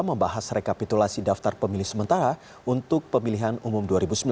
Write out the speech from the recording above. membahas rekapitulasi daftar pemilih sementara untuk pemilihan umum dua ribu sembilan belas